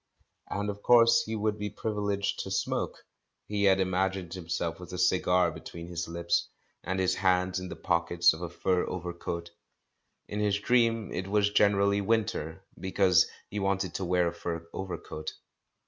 And of course he would be privileged to smoke — he had imagined himself with a cigar between his lips, and his hands in the pockets of a fur over THE CALL FROM THE PAST 395 coat. In his dream it was generally winter, be cause he wanted to wear a fur overcoat.